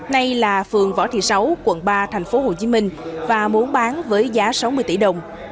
nay là phường võ thị sáu quận ba thành phố hồ chí minh và muốn bán với giá sáu mươi tỷ đồng